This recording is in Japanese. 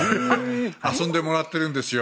遊んでもらってるんですよ。